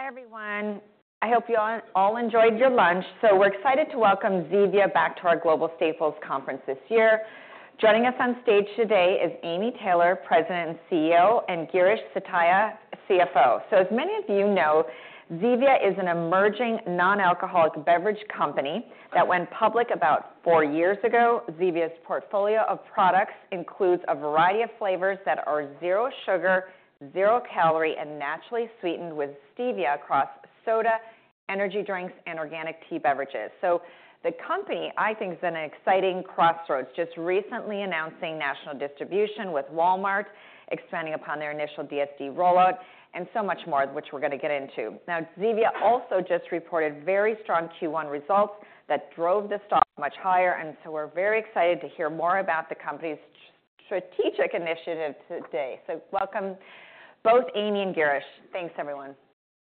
Hi everyone. I hope you all enjoyed your lunch. We're excited to welcome Zevia back to our Global Staples Conference this year. Joining us on stage today is Amy Taylor, President and CEO, and Girish Satya, CFO. As many of you know, Zevia is an emerging non-alcoholic beverage company that went public about four years ago. Zevia's portfolio of products includes a variety of flavors that are zero sugar, zero calorie, and naturally sweetened with stevia across soda, energy drinks, and organic tea beverages. The company, I think, is in an exciting crossroads, just recently announcing national distribution with Walmart, expanding upon their initial DSD rollout, and so much more, which we're going to get into. Zevia also just reported very strong Q1 results that drove the stock much higher. We're very excited to hear more about the company's strategic initiative today. Welcome both Amy and Girish. Thanks, everyone.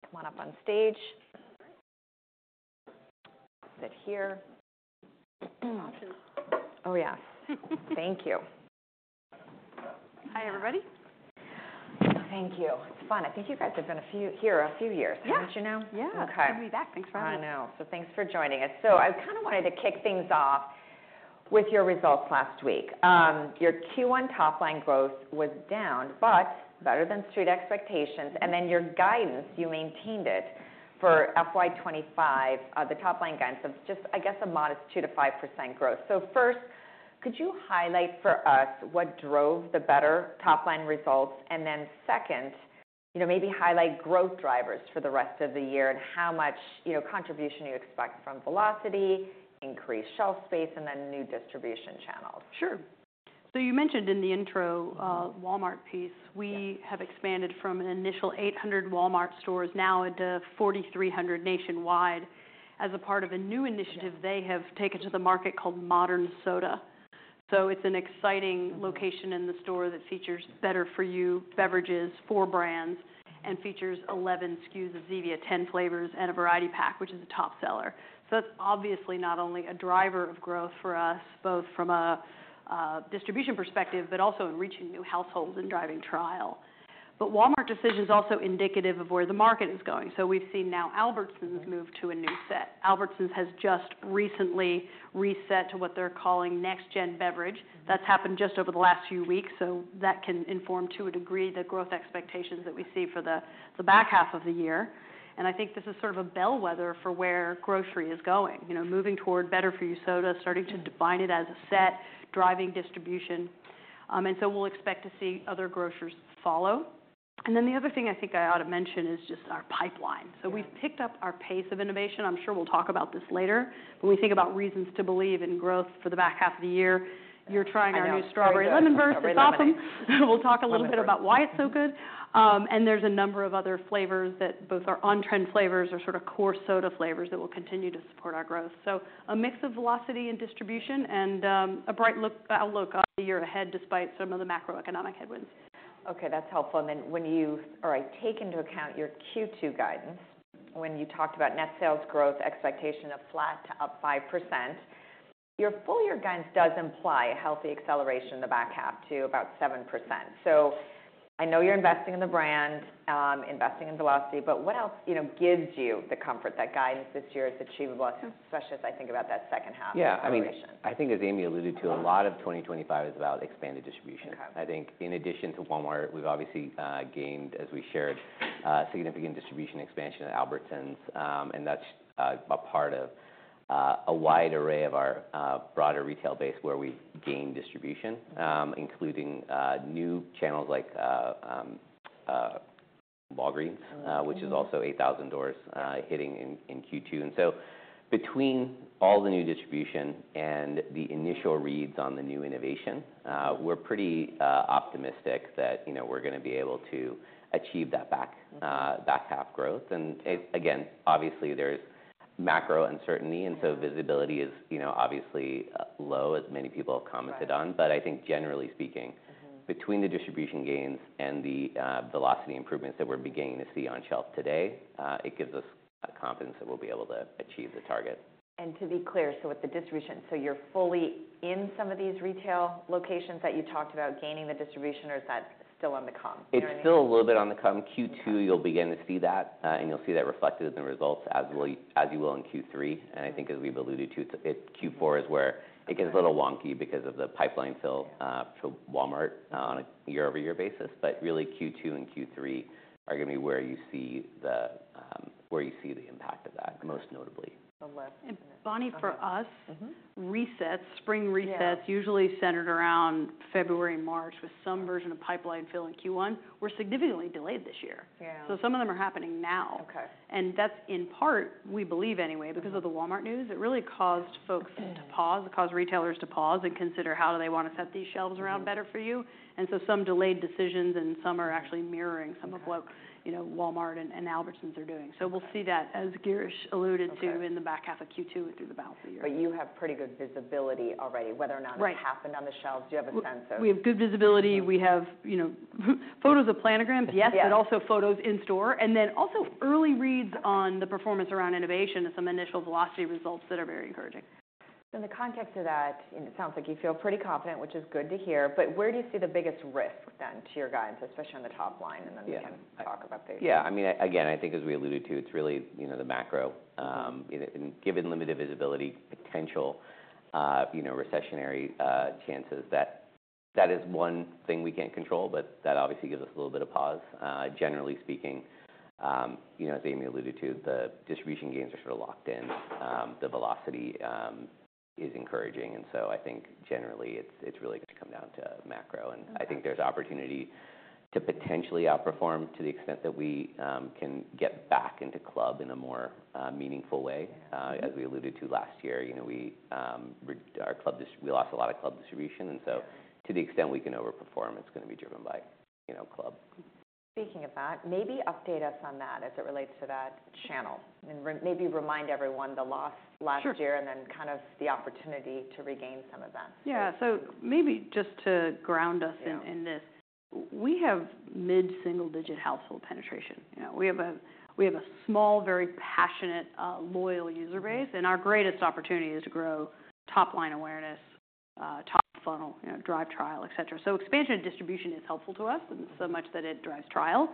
Come on up on stage. Sit here. Oh yeah. Thank you. Hi everybody. Thank you. It's fun. I think you guys have been here a few years. Yeah. Didn't you know? Yeah. Okay. Good to be back. Thanks for having me. I know. Thanks for joining us. I kind of wanted to kick things off with your results last week. Your Q1 top line growth was down, but better than street expectations. Your guidance, you maintained it for FY25, the top line guidance of just, I guess, a modest 2%-5% growth. First, could you highlight for us what drove the better top line results? Second, maybe highlight growth drivers for the rest of the year and how much contribution you expect from velocity, increased shelf space, and new distribution channels. Sure. You mentioned in the intro Walmart piece, we have expanded from an initial 800 Walmart stores now to 4,300 nationwide. As a part of a new initiative they have taken to the market called Modern Soda. It is an exciting location in the store that features better-for-you beverages for brands and features 11 SKUs of Zevia, 10 flavors, and a variety pack, which is a top seller. That is obviously not only a driver of growth for us, both from a distribution perspective, but also in reaching new households and driving trial. Walmart decisions are also indicative of where the market is going. We have seen now Albertsons move to a new set. Albertsons has just recently reset to what they are calling next-gen beverage. That has happened just over the last few weeks. That can inform to a degree the growth expectations that we see for the back half of the year. I think this is sort of a bellwether for where grocery is going, moving toward better-for-you soda, starting to define it as a set, driving distribution. We will expect to see other grocers follow. The other thing I think I ought to mention is just our pipeline. We have picked up our pace of innovation. I am sure we will talk about this later. When we think about reasons to believe in growth for the back half of the year, you are trying our new Strawberry Lemon Burst soda. We will talk a little bit about why it is so good. There is a number of other flavors that both are on-trend flavors or sort of core soda flavors that will continue to support our growth. A mix of velocity and distribution and a bright outlook on the year ahead despite some of the macroeconomic headwinds. Okay, that's helpful. When you take into account your Q2 guidance, when you talked about net sales growth, expectation of flat to up 5%, your full year guidance does imply a healthy acceleration in the back half to about 7%. I know you're investing in the brand, investing in velocity, but what else gives you the comfort that guidance this year is achievable, especially as I think about that second half of the equation? Yeah, I mean, I think as Amy alluded to, a lot of 2025 is about expanded distribution. I think in addition to Walmart, we've obviously gained, as we shared, significant distribution expansion at Albertsons. That's a part of a wide array of our broader retail base where we've gained distribution, including new channels like Walgreens, which is also 8,000 doors hitting in Q2. Between all the new distribution and the initial reads on the new innovation, we're pretty optimistic that we're going to be able to achieve that back half growth. Obviously there's macro uncertainty, and so visibility is obviously low, as many people have commented on. I think generally speaking, between the distribution gains and the velocity improvements that we're beginning to see on shelf today, it gives us confidence that we'll be able to achieve the target. To be clear, with the distribution, you're fully in some of these retail locations that you talked about gaining the distribution, or is that still on the come? It's still a little bit on the come. Q2 you'll begin to see that, and you'll see that reflected in the results as you will in Q3. I think as we've alluded to, Q4 is where it gets a little wonky because of the pipeline fill for Walmart on a year-over-year basis. Really Q2 and Q3 are going to be where you see the impact of that, most notably. Funny, for us, resets, spring resets, usually centered around February, March, with some version of pipeline fill in Q1, were significantly delayed this year. Some of them are happening now. That is in part, we believe anyway, because of the Walmart news. It really caused folks to pause, caused retailers to pause and consider how do they want to set these shelves around better for you. Some delayed decisions and some are actually mirroring some of what Walmart and Albertsons are doing. We will see that, as Girish alluded to, in the back half of Q2 and through the balance of the year. You have pretty good visibility already, whether or not it's happened on the shelves. Do you have a sense of? We have good visibility. We have photos of planograms, yes, but also photos in store. We also have early reads on the performance around innovation and some initial velocity results that are very encouraging. In the context of that, it sounds like you feel pretty confident, which is good to hear. Where do you see the biggest risk then to your guidance, especially on the top line? Then we can talk about those. Yeah, I mean, again, I think as we alluded to, it's really the macro. Given limited visibility, potential recessionary chances, that is one thing we can't control, but that obviously gives us a little bit of pause. Generally speaking, as Amy alluded to, the distribution gains are sort of locked in. The velocity is encouraging. I think generally it's really going to come down to macro. I think there's opportunity to potentially outperform to the extent that we can get back into Club in a more meaningful way. As we alluded to last year, we lost a lot of Club distribution. To the extent we can overperform, it's going to be driven by Club. Speaking of that, maybe update us on that as it relates to that channel. Maybe remind everyone the loss last year and then kind of the opportunity to regain some events. Yeah, so maybe just to ground us in this, we have mid-single-digit household penetration. We have a small, very passionate, loyal user base. Our greatest opportunity is to grow top line awareness, top funnel, drive trial, et cetera. Expansion of distribution is helpful to us in so much that it drives trial.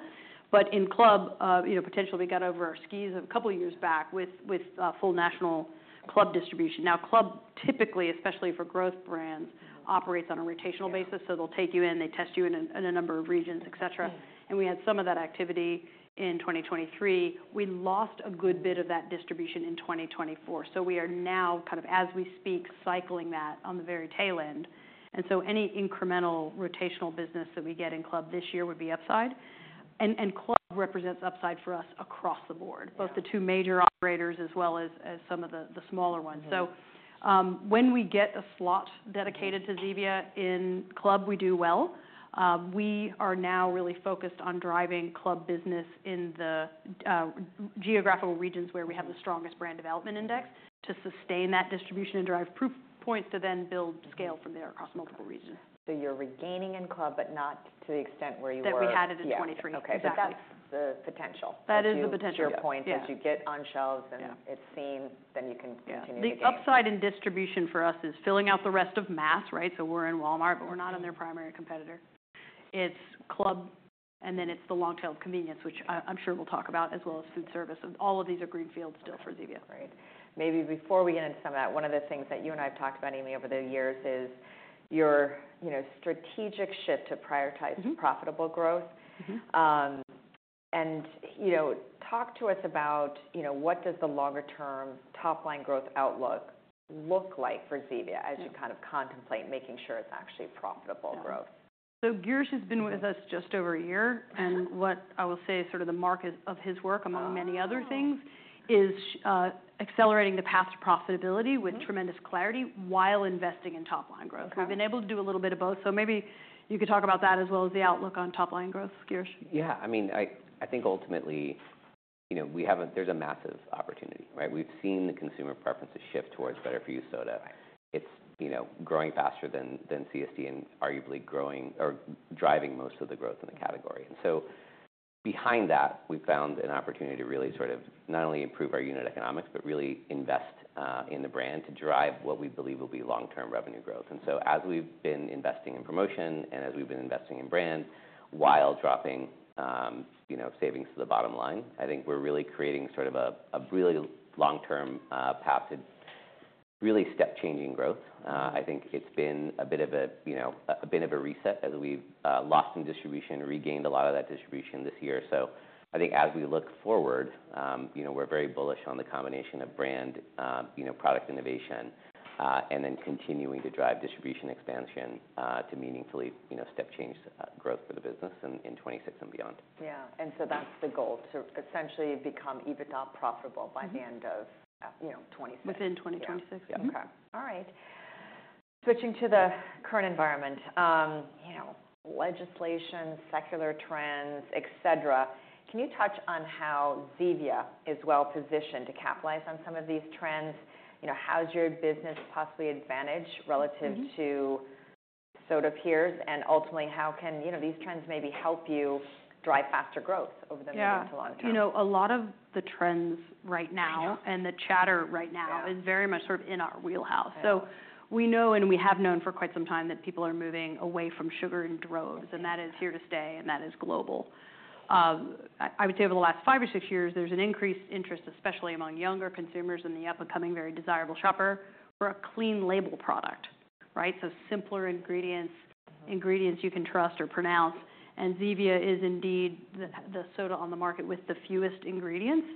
In Club, potentially we got over our skis a couple of years back with full national Club distribution. Now Club, typically, especially for growth brands, operates on a rotational basis. They'll take you in, they test you in a number of regions, et cetera. We had some of that activity in 2023. We lost a good bit of that distribution in 2024. We are now kind of, as we speak, cycling that on the very tail end. Any incremental rotational business that we get in Club this year would be upside. Club represents upside for us across the board, both the two major operators as well as some of the smaller ones. When we get a slot dedicated to Zevia in Club, we do well. We are now really focused on driving Club business in the geographical regions where we have the strongest Brand Development Index to sustain that distribution and drive proof points to then build scale from there across multiple regions. You're regaining in Club, but not to the extent where you were. That we had it in 2023. Okay, that's the potential. That is the potential. That's your point. As you get on shelves and it's seen, then you can continue to gain. The upside in distribution for us is filling out the rest of mass, right? So we're in Walmart, but we're not on their primary competitor. It's Club, and then it's the long-tail of convenience, which I'm sure we'll talk about, as well as food service. All of these are greenfields still for Zevia. Great. Maybe before we get into some of that, one of the things that you and I have talked about, Amy, over the years is your strategic shift to prioritize profitable growth. Talk to us about what does the longer-term top line growth outlook look like for Zevia as you kind of contemplate making sure it's actually profitable growth? Girish has been with us just over a year. What I will say is sort of the mark of his work, among many other things, is accelerating the path to profitability with tremendous clarity while investing in top line growth. We've been able to do a little bit of both. Maybe you could talk about that as well as the outlook on top line growth, Girish. Yeah, I mean, I think ultimately there's a massive opportunity, right? We've seen the consumer preferences shift towards better-for-you soda. It's growing faster than CSD and arguably driving most of the growth in the category. Behind that, we found an opportunity to really sort of not only improve our unit economics, but really invest in the brand to drive what we believe will be long-term revenue growth. As we've been investing in promotion and as we've been investing in brand while dropping savings to the bottom line, I think we're really creating sort of a really long-term path to really step-changing growth. I think it's been a bit of a reset as we've lost some distribution, regained a lot of that distribution this year. I think as we look forward, we're very bullish on the combination of brand, product innovation, and then continuing to drive distribution expansion to meaningfully step-change growth for the business in 2026 and beyond. Yeah. And so that's the goal, to essentially become EBITDA profitable by the end of 2026. Within 2026. Yeah. Okay. All right. Switching to the current environment, legislation, secular trends, et cetera, can you touch on how Zevia is well positioned to capitalize on some of these trends? How's your business possibly advantaged relative to soda peers? Ultimately, how can these trends maybe help you drive faster growth over the medium to long term? Yeah. You know, a lot of the trends right now and the chatter right now is very much sort of in our wheelhouse. We know and we have known for quite some time that people are moving away from sugar in droves, and that is here to stay, and that is global. I would say over the last five or six years, there's an increased interest, especially among younger consumers and the up-and-coming very desirable shopper, for a clean label product, right? Simpler ingredients, ingredients you can trust or pronounce. Zevia is indeed the soda on the market with the fewest ingredients.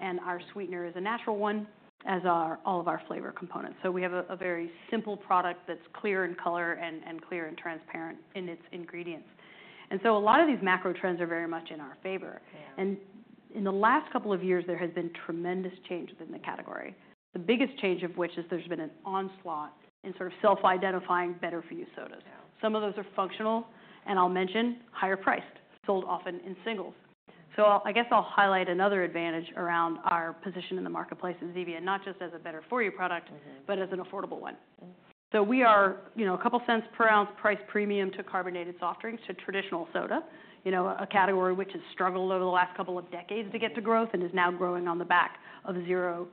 Our sweetener is a natural one, as are all of our flavor components. We have a very simple product that's clear in color and clear and transparent in its ingredients. A lot of these macro trends are very much in our favor. In the last couple of years, there has been tremendous change within the category. The biggest change of which is there's been an onslaught in sort of self-identifying better-for-you sodas. Some of those are functional, and I'll mention higher priced, sold often in singles. I guess I'll highlight another advantage around our position in the marketplace at Zevia, not just as a better-for-you product, but as an affordable one. We are a couple cents per ounce price premium to carbonated soft drinks, to traditional soda, a category which has struggled over the last couple of decades to get to growth and is now growing on the back of zero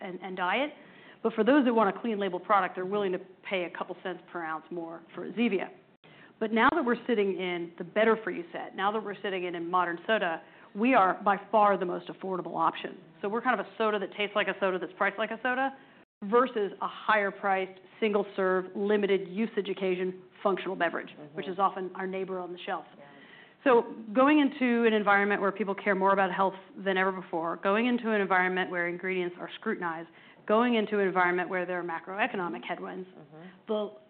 and diet. For those who want a clean label product, they're willing to pay a couple cents per ounce more for Zevia. Now that we're sitting in the better-for-you set, now that we're sitting in Modern Soda, we are by far the most affordable option. We're kind of a soda that tastes like a soda that's priced like a soda versus a higher-priced, single-serve, limited-use education, functional beverage, which is often our neighbor on the shelf. Going into an environment where people care more about health than ever before, going into an environment where ingredients are scrutinized, going into an environment where there are macroeconomic headwinds,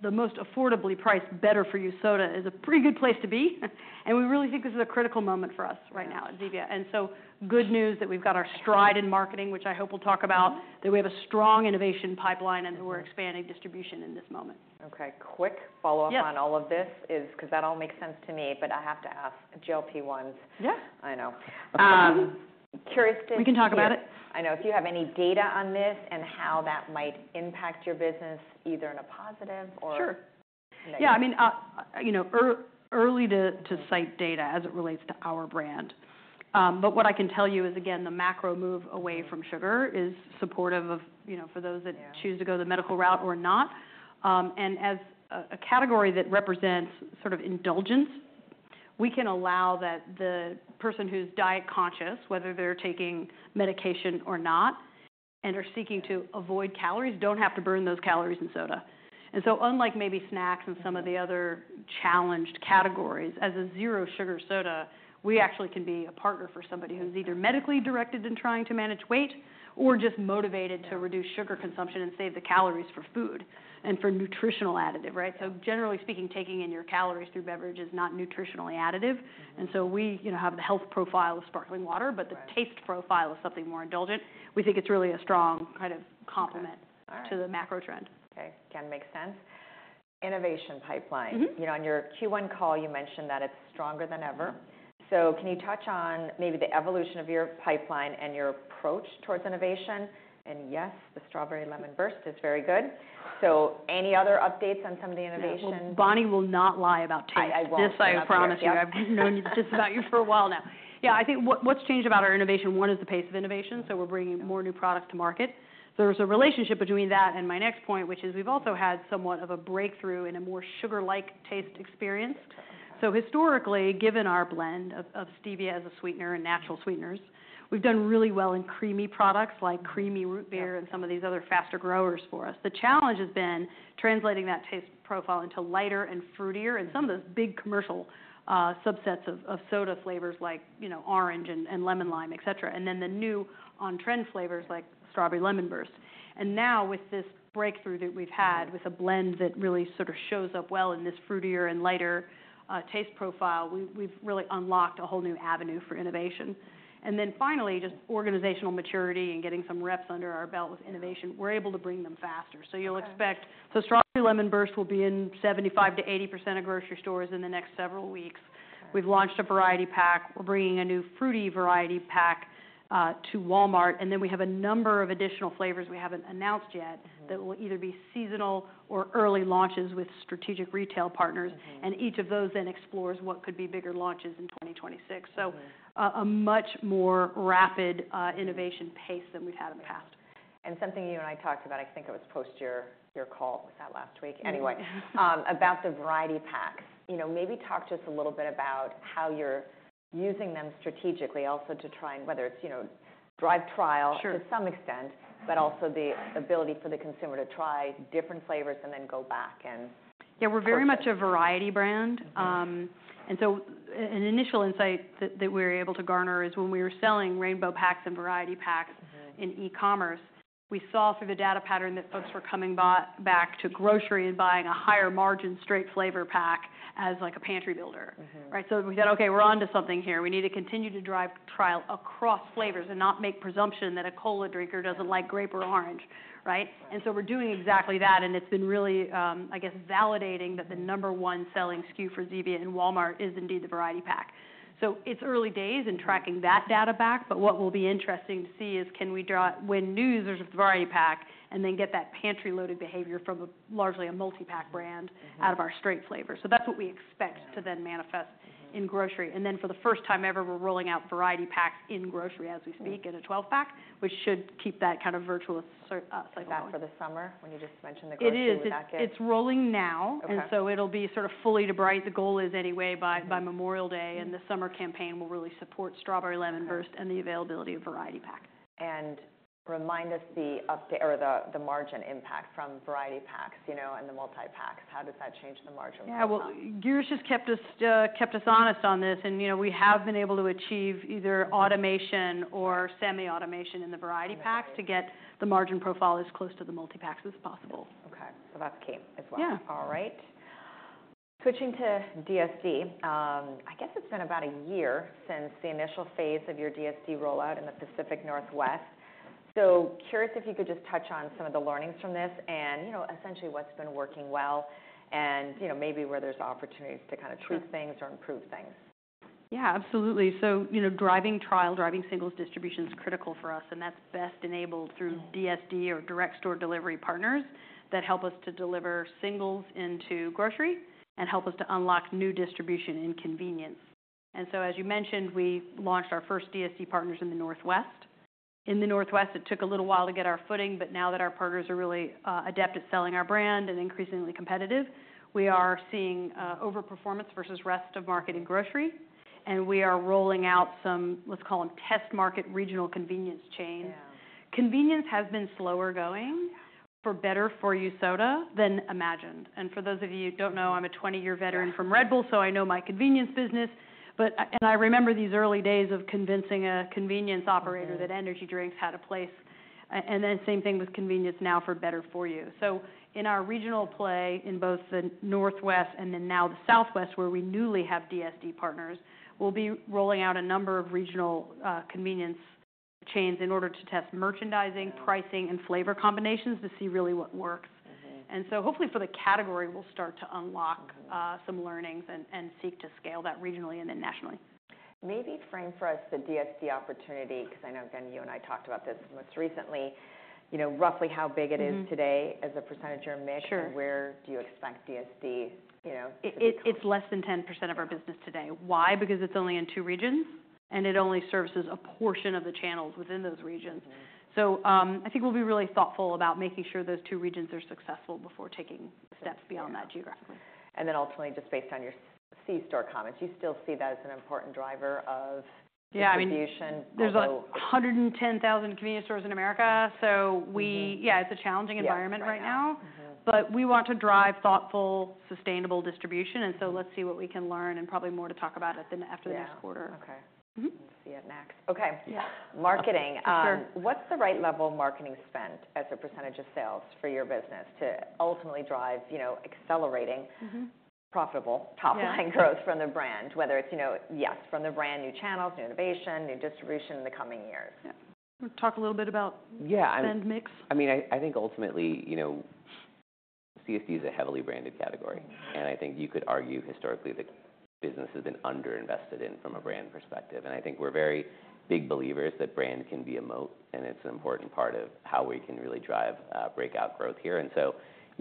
the most affordably priced better-for-you soda is a pretty good place to be. We really think this is a critical moment for us right now at Zevia. Good news that we've got our stride in marketing, which I hope we'll talk about, that we have a strong innovation pipeline and that we're expanding distribution in this moment. Okay. Quick follow-up on all of this is because that all makes sense to me, but I have to ask GLP-1s. Yeah. I know. We can talk about it. I know. If you have any data on this and how that might impact your business, either in a positive or negative. Sure. Yeah, I mean, early to cite data as it relates to our brand. What I can tell you is, again, the macro move away from sugar is supportive for those that choose to go the medical route or not. As a category that represents sort of indulgence, we can allow that the person who's diet conscious, whether they're taking medication or not, and are seeking to avoid calories, don't have to burn those calories in soda. Unlike maybe snacks and some of the other challenged categories, as a zero-sugar soda, we actually can be a partner for somebody who's either medically directed in trying to manage weight or just motivated to reduce sugar consumption and save the calories for food and for nutritional additive, right? Generally speaking, taking in your calories through beverage is not nutritionally additive. We have the health profile of sparkling water, but the taste profile of something more indulgent, we think it's really a strong kind of complement to the macro trend. Okay. Can make sense. Innovation pipeline. On your Q1 call, you mentioned that it's stronger than ever. Can you touch on maybe the evolution of your pipeline and your approach towards innovation? Yes, the Strawberry Lemon Burst is very good. Any other updates on some of the innovation? Bonnie will not lie about taste. I won't. This I promise you. I've known just about you for a while now. Yeah, I think what's changed about our innovation, one is the pace of innovation. So we're bringing more new products to market. There's a relationship between that and my next point, which is we've also had somewhat of a breakthrough in a more sugar-like taste experience. Historically, given our blend of stevia as a sweetener and natural sweeteners, we've done really well in creamy products like Creamy Root Beer and some of these other faster growers for us. The challenge has been translating that taste profile into lighter and fruitier and some of those big commercial subsets of soda flavors like orange and lemon lime, et cetera, and then the new on-trend flavors like Strawberry Lemon Burst. Now with this breakthrough that we've had with a blend that really sort of shows up well in this fruitier and lighter taste profile, we've really unlocked a whole new avenue for innovation. Finally, just organizational maturity and getting some reps under our belt with innovation, we're able to bring them faster. You'll expect Strawberry Lemon Burst will be in 75-80% of grocery stores in the next several weeks. We've launched a variety pack. We're bringing a new fruity variety pack to Walmart. We have a number of additional flavors we haven't announced yet that will either be seasonal or early launches with strategic retail partners. Each of those then explores what could be bigger launches in 2026. A much more rapid innovation pace than we've had in the past. Something you and I talked about, I think it was post your call, was that last week? Anyway, about the variety packs, maybe talk to us a little bit about how you're using them strategically also to try and whether it's drive trial to some extent, but also the ability for the consumer to try different flavors and then go back and. Yeah, we're very much a variety brand. An initial insight that we were able to garner is when we were selling rainbow packs and variety packs in e-commerce, we saw through the data pattern that folks were coming back to grocery and buying a higher margin straight flavor pack as like a pantry builder, right? We said, okay, we're onto something here. We need to continue to drive trial across flavors and not make presumption that a cola drinker doesn't like grape or orange, right? We're doing exactly that. It's been really, I guess, validating that the number one selling SKU for Zevia in Walmart is indeed the variety pack. It's early days in tracking that data back, but what will be interesting to see is can we draw when news is with the variety pack and then get that pantry-loaded behavior from largely a multi-pack brand out of our straight flavor. That's what we expect to then manifest in grocery. For the first time ever, we're rolling out variety packs in grocery as we speak in a 12-pack, which should keep that kind of virtuous cycle. Is that for the summer when you just mentioned the grocery pack? It is. It's rolling now. It'll be sort of fully to bright. The goal is anyway by Memorial Day, and the summer campaign will really support Strawberry Lemon Burst and the availability of variety pack. Remind us the update or the margin impact from variety packs and the multi-packs. How does that change the margin profile? Yeah, Girish has kept us honest on this. We have been able to achieve either automation or semi-automation in the variety packs to get the margin profile as close to the multi-packs as possible. Okay. So that's key as well. Yeah. All right. Switching to DSD. I guess it's been about a year since the initial phase of your DSD rollout in the Pacific Northwest. Curious if you could just touch on some of the learnings from this and essentially what's been working well and maybe where there's opportunities to kind of tweak things or improve things. Yeah, absolutely. Driving trial, driving singles distribution is critical for us. That is best enabled through DSD or direct store delivery partners that help us to deliver singles into grocery and help us to unlock new distribution and convenience. As you mentioned, we launched our first DSD partners in the Northwest. In the Northwest, it took a little while to get our footing, but now that our partners are really adept at selling our brand and increasingly competitive, we are seeing overperformance versus rest of market in grocery. We are rolling out some, let's call them test market regional convenience chains. Convenience has been slower going for better-for-you soda than imagined. For those of you who do not know, I am a 20-year veteran from Red Bull, so I know my convenience business. I remember these early days of convincing a convenience operator that energy drinks had a place. The same thing is happening with convenience now for better-for-you. In our regional play in both the Pacific Northwest and now the Southwest, where we newly have DSD partners, we will be rolling out a number of regional convenience chains in order to test merchandising, pricing, and flavor combinations to see really what works. Hopefully for the category, we will start to unlock some learnings and seek to scale that regionally and then nationally. Maybe frame for us the DSD opportunity because I know again, you and I talked about this most recently, roughly how big it is today as a percentage or a mix and where do you expect DSD to be? It's less than 10% of our business today. Why? Because it's only in two regions and it only services a portion of the channels within those regions. I think we'll be really thoughtful about making sure those two regions are successful before taking steps beyond that geographically. Ultimately, just based on your C store comments, you still see that as an important driver of distribution? Yeah, I mean, there's 110,000 convenience stores in America. We, yeah, it's a challenging environment right now. We want to drive thoughtful, sustainable distribution. Let's see what we can learn and probably more to talk about it after the next quarter. Okay. Let's see it next. Okay. Marketing. What's the right level of marketing spend as a percentage of sales for your business to ultimately drive accelerating profitable top-line growth from the brand, whether it's, yes, from the brand, new channels, new innovation, new distribution in the coming years? Talk a little bit about spend mix? I mean, I think ultimately, CSD is a heavily branded category. I think you could argue historically that business has been underinvested in from a brand perspective. I think we're very big believers that brand can be a moat. It is an important part of how we can really drive breakout growth here.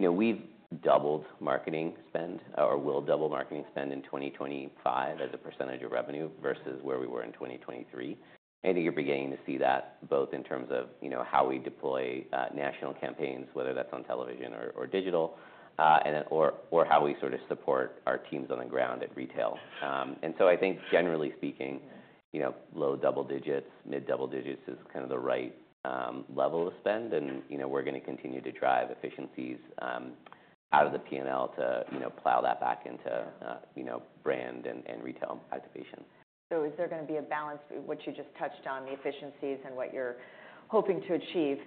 We have doubled marketing spend or will double marketing spend in 2025 as a percentage of revenue versus where we were in 2023. I think you're beginning to see that both in terms of how we deploy national campaigns, whether that's on television or digital, or how we sort of support our teams on the ground at retail. I think generally speaking, low double digits, mid double digits is kind of the right level of spend. We're going to continue to drive efficiencies out of the P&L to plow that back into brand and retail activation. Is there going to be a balance between what you just touched on, the efficiencies and what you're hoping to achieve,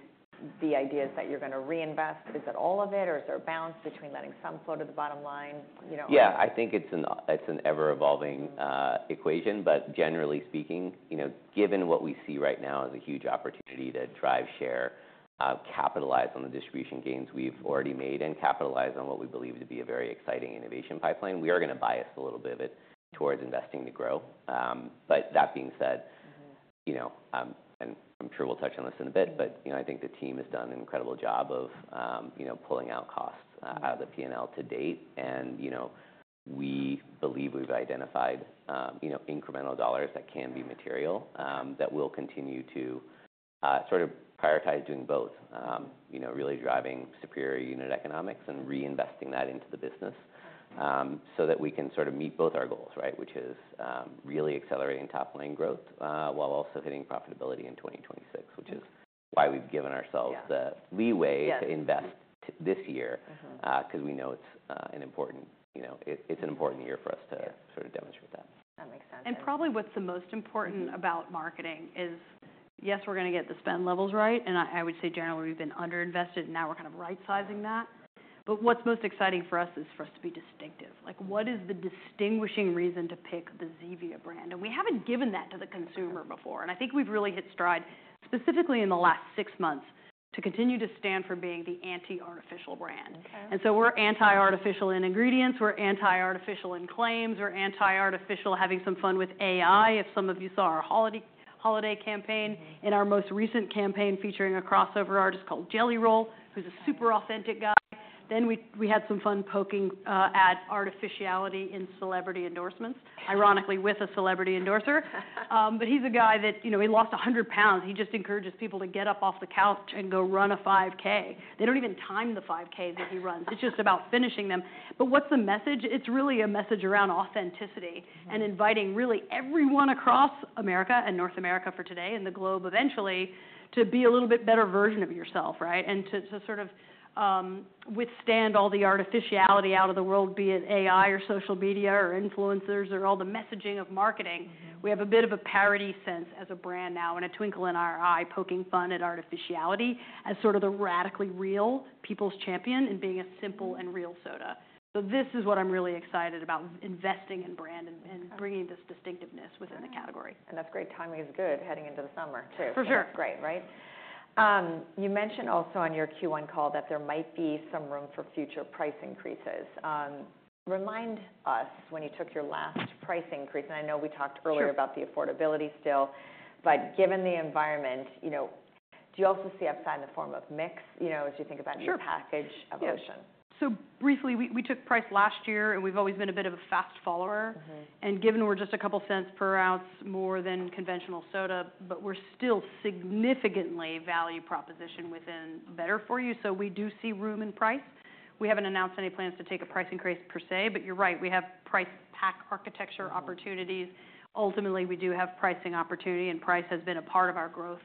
the idea is that you're going to reinvest? Is it all of it or is there a balance between letting some flow to the bottom line? Yeah, I think it's an ever-evolving equation. Generally speaking, given what we see right now as a huge opportunity to drive share, capitalize on the distribution gains we've already made, and capitalize on what we believe to be a very exciting innovation pipeline, we are going to bias a little bit of it towards investing to grow. That being said, and I'm sure we'll touch on this in a bit, I think the team has done an incredible job of pulling out costs out of the P&L to date. We believe we've identified incremental dollars that can be material that we'll continue to sort of prioritize doing both, really driving superior unit economics and reinvesting that into the business so that we can sort of meet both our goals, right, which is really accelerating top-line growth while also hitting profitability in 2026, which is why we've given ourselves the leeway to invest this year because we know it's an important year for us to sort of demonstrate that. That makes sense. Probably what's the most important about marketing is, yes, we're going to get the spend levels right. I would say generally we've been underinvested and now we're kind of right-sizing that. What's most exciting for us is for us to be distinctive. What is the distinguishing reason to pick the Zevia brand? We haven't given that to the consumer before. I think we've really hit stride specifically in the last six months to continue to stand for being the anti-artificial brand. We are anti-artificial in ingredients. We are anti-artificial in claims. We are anti-artificial having some fun with AI. If some of you saw our holiday campaign in our most recent campaign featuring a crossover artist called Jelly Roll, who's a super authentic guy. We had some fun poking at artificiality in celebrity endorsements, ironically with a celebrity endorser. He is a guy that he lost 100 pounds. He just encourages people to get up off the couch and go run a 5K. They do not even time the 5Ks that he runs. It is just about finishing them. What is the message? It is really a message around authenticity and inviting really everyone across America and North America for today and the globe eventually to be a little bit better version of yourself, right? To sort of withstand all the artificiality out of the world, be it AI or social media or influencers or all the messaging of marketing. We have a bit of a parody sense as a brand now and a twinkle in our eye poking fun at artificiality as sort of the radically real people's champion in being a simple and real soda. This is what I'm really excited about, investing in brand and bringing this distinctiveness within the category. That is great. Timing is good heading into the summer too. For sure. Great, right? You mentioned also on your Q1 call that there might be some room for future price increases. Remind us when you took your last price increase. I know we talked earlier about the affordability still, but given the environment, do you also see outside in the form of mix as you think about your package evolution? Briefly, we took price last year and we've always been a bit of a fast follower. Given we're just a couple cents per ounce more than conventional soda, but we're still significantly value proposition within better-for-you. We do see room in price. We haven't announced any plans to take a price increase per se, but you're right. We have price pack architecture opportunities. Ultimately, we do have pricing opportunity and price has been a part of our growth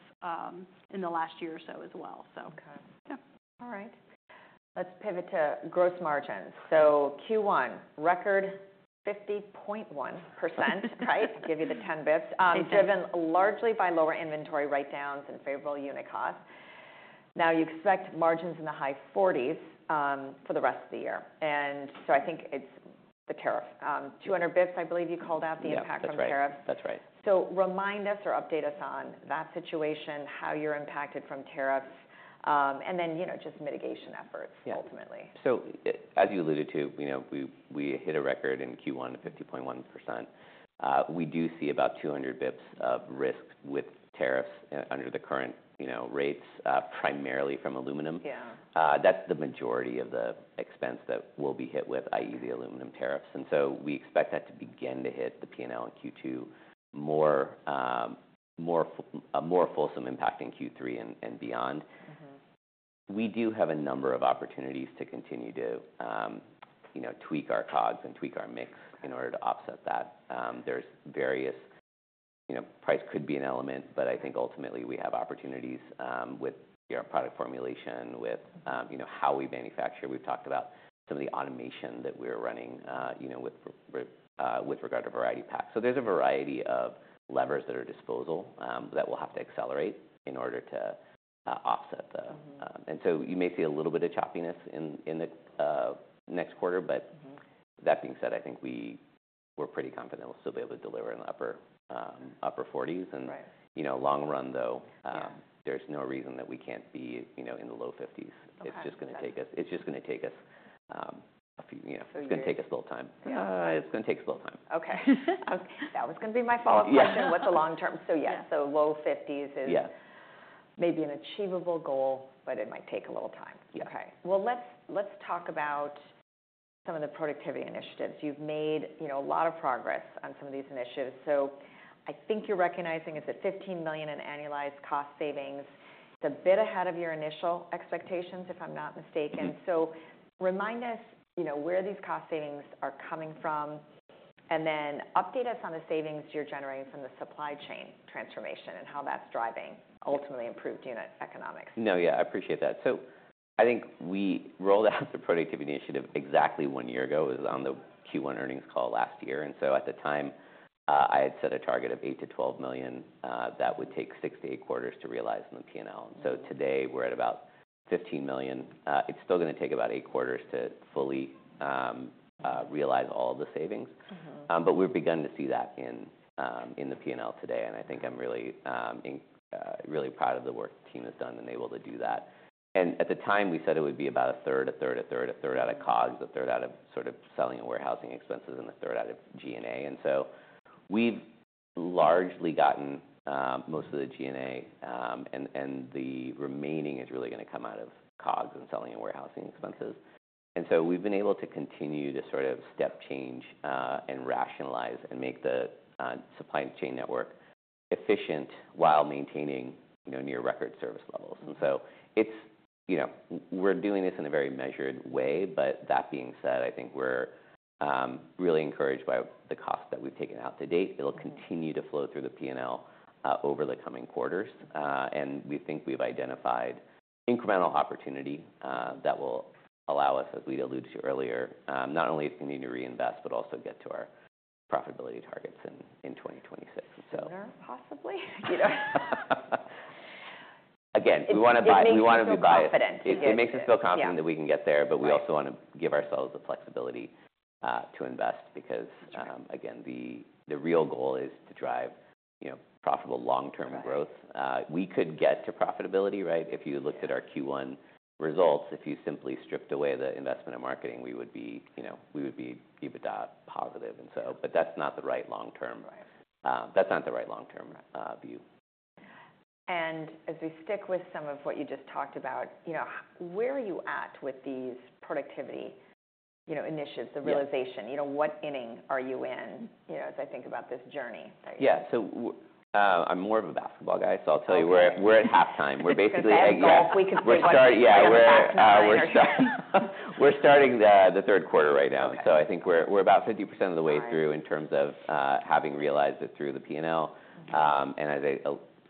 in the last year or so as well. Okay. All right. Let's pivot to gross margins. Q1, record 50.1%, right? I'll give you the 10 basis points. Driven largely by lower inventory write-downs and favorable unit costs. Now you expect margins in the high 40% for the rest of the year. I think it's the tariff. 200 basis points, I believe you called out the impact from tariffs. That's right. Remind us or update us on that situation, how you're impacted from tariffs, and then just mitigation efforts ultimately. As you alluded to, we hit a record in Q1 at 50.1%. We do see about 200 basis points of risk with tariffs under the current rates, primarily from aluminum. That is the majority of the expense that will be hit with, i.e., the aluminum tariffs. We expect that to begin to hit the P&L in Q2, with a more fulsome impact in Q3 and beyond. We do have a number of opportunities to continue to tweak our COGS and tweak our mix in order to offset that. Various price could be an element, but I think ultimately we have opportunities with our product formulation, with how we manufacture. We have talked about some of the automation that we are running with regard to variety packs. There is a variety of levers at our disposal that we will have to accelerate in order to offset that. You may see a little bit of choppiness in the next quarter, but that being said, I think we're pretty confident we'll still be able to deliver in the upper 40%. Long run, though, there's no reason that we can't be in the low 50%. It's just going to take us a little time. It's going to take us a little time. Okay. That was going to be my follow-up question. What's the long term? Yeah, so low 50s is maybe an achievable goal, but it might take a little time. Okay. Let's talk about some of the productivity initiatives. You've made a lot of progress on some of these initiatives. I think you're recognizing it's at $15 million in annualized cost savings. It's a bit ahead of your initial expectations, if I'm not mistaken. Remind us where these cost savings are coming from and then update us on the savings you're generating from the supply chain transformation and how that's driving ultimately improved unit economics. No, yeah, I appreciate that. I think we rolled out the productivity initiative exactly one year ago on the Q1 earnings call last year. At the time, I had set a target of $8 million-$12 million that would take six to eight quarters to realize in the P&L. Today we are at about $15 million. It is still going to take about eight quarters to fully realize all of the savings. We have begun to see that in the P&L today. I think I am really proud of the work the team has done and able to do that. At the time, we said it would be about a third, a third, a third, a third out of COGS, a third out of sort of selling and warehousing expenses, and a third out of G&A. We have largely gotten most of the G&A and the remaining is really going to come out of COGS and selling and warehousing expenses. We have been able to continue to sort of step change and rationalize and make the supply chain network efficient while maintaining near record service levels. We are doing this in a very measured way. That being said, I think we are really encouraged by the cost that we have taken out to date. It will continue to flow through the P&L over the coming quarters. We think we have identified incremental opportunity that will allow us, as we alluded to earlier, not only to continue to reinvest, but also get to our profitability targets in 2026. Sooner possibly? Again, we want to be biased. It makes us feel confident that we can get there, but we also want to give ourselves the flexibility to invest because, again, the real goal is to drive profitable long-term growth. We could get to profitability, right? If you looked at our Q1 results, if you simply stripped away the investment and marketing, we would be EBITDA positive. That is not the right long-term. That is not the right long-term view. As we stick with some of what you just talked about, where are you at with these productivity initiatives, the realization? What inning are you in as I think about this journey? Yeah. So I'm more of a basketball guy. I'll tell you we're at halftime. We're basically. Oh, golf. We can switch to basketball. Yeah. We're starting the third quarter right now. I think we're about 50% of the way through in terms of having realized it through the P&L. As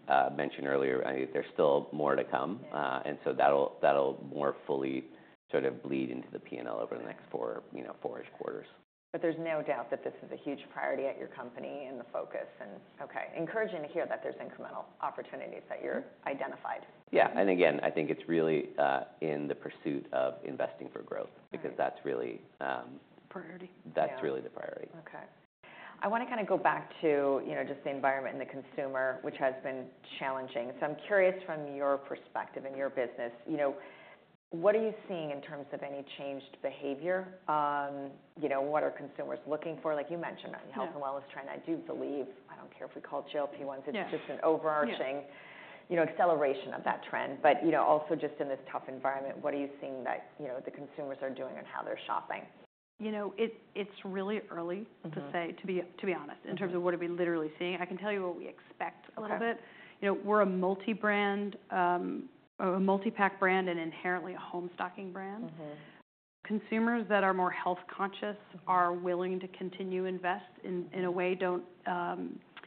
I mentioned earlier, there's still more to come. That'll more fully sort of bleed into the P&L over the next four-ish quarters. There is no doubt that this is a huge priority at your company and the focus. Okay, encouraging to hear that there are incremental opportunities that you've identified. Yeah. I think it's really in the pursuit of investing for growth because that's really. Priority. That's really the priority. Okay. I want to kind of go back to just the environment and the consumer, which has been challenging. I am curious from your perspective and your business, what are you seeing in terms of any changed behavior? What are consumers looking for? Like you mentioned, health and wellness trend. I do believe, I do not care if we call it GLP-1s, it is just an overarching acceleration of that trend. Also, just in this tough environment, what are you seeing that the consumers are doing and how they are shopping? It's really early to say, to be honest, in terms of what are we literally seeing. I can tell you what we expect a little bit. We're a multi-brand, a multi-pack brand, and inherently a home stocking brand. Consumers that are more health conscious are willing to continue to invest in a way, don't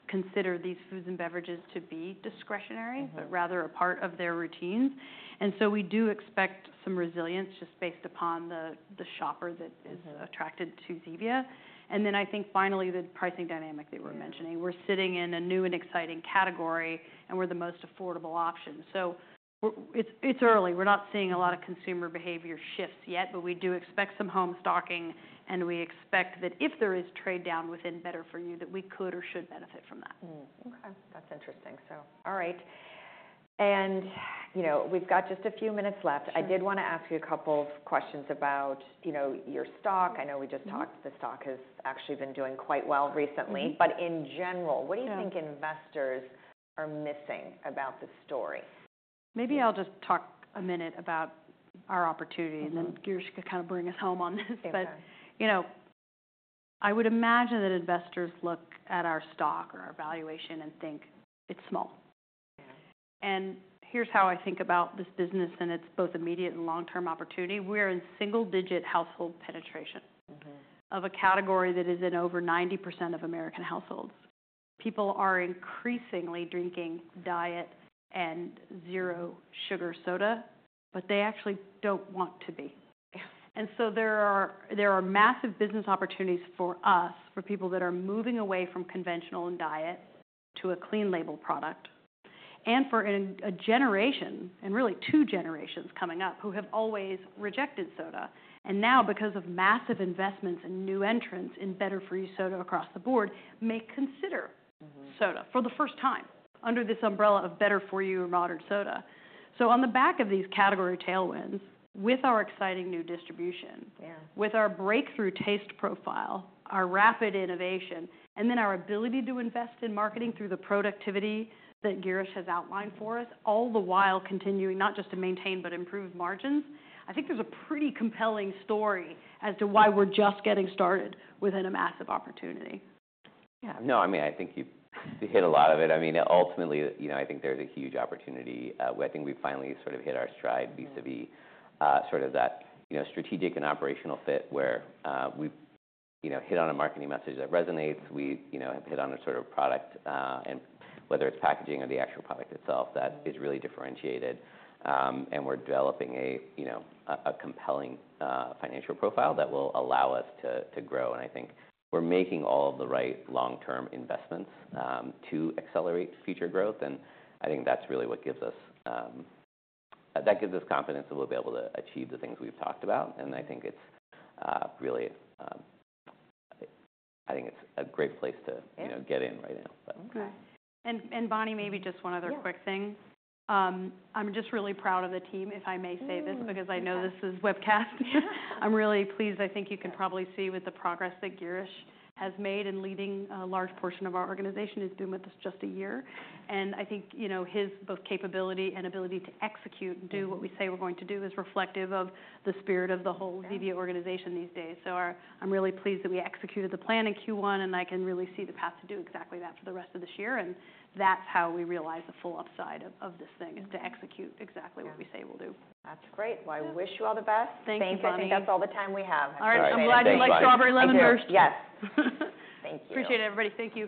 consider these foods and beverages to be discretionary, but rather a part of their routines. We do expect some resilience just based upon the shopper that is attracted to Zevia. I think finally the pricing dynamic that we're mentioning. We're sitting in a new and exciting category and we're the most affordable option. It's early. We're not seeing a lot of consumer behavior shifts yet, but we do expect some home stocking and we expect that if there is trade down within better for you, that we could or should benefit from that. Okay. That's interesting. All right. And we've got just a few minutes left. I did want to ask you a couple of questions about your stock. I know we just talked, the stock has actually been doing quite well recently, but in general, what do you think investors are missing about this story? Maybe I'll just talk a minute about our opportunity and then Girish could kind of bring us home on this. I would imagine that investors look at our stock or our valuation and think it's small. Here's how I think about this business and its both immediate and long-term opportunity. We're in single-digit household penetration of a category that is in over 90% of American households. People are increasingly drinking diet and zero sugar soda, but they actually don't want to be. There are massive business opportunities for us, for people that are moving away from conventional diet to a clean label product and for a generation and really two generations coming up who have always rejected soda. Because of massive investments and new entrants in better-for-you soda across the board, many consider soda for the first time under this umbrella of better-for-you or modern soda. On the back of these category tailwinds, with our exciting new distribution, with our breakthrough taste profile, our rapid innovation, and then our ability to invest in marketing through the productivity that Girish has outlined for us, all the while continuing not just to maintain, but improve margins, I think there's a pretty compelling story as to why we're just getting started within a massive opportunity. Yeah. No, I mean, I think you hit a lot of it. I mean, ultimately, I think there's a huge opportunity. I think we've finally sort of hit our stride vis-à-vis sort of that strategic and operational fit where we've hit on a marketing message that resonates. We have hit on a sort of product and whether it's packaging or the actual product itself that is really differentiated. We are developing a compelling financial profile that will allow us to grow. I think we're making all of the right long-term investments to accelerate future growth. I think that's really what gives us, that gives us confidence that we'll be able to achieve the things we've talked about. I think it's really, I think it's a great place to get in right now. Okay. Bonnie, maybe just one other quick thing. I'm just really proud of the team, if I may say this, because I know this is webcast. I'm really pleased. I think you can probably see with the progress that Girish has made in leading a large portion of our organization, has been with us just a year. I think his both capability and ability to execute and do what we say we're going to do is reflective of the spirit of the whole Zevia organization these days. I'm really pleased that we executed the plan in Q1 and I can really see the path to do exactly that for the rest of this year. That's how we realize the full upside of this thing, to execute exactly what we say we'll do. That's great. I wish you all the best. Thank you, Bonnie. Thank you. I think that's all the time we have. All right. I'm glad you like Strawberry Lemon Burst. Yes. Thank you. Appreciate it, everybody. Thank you.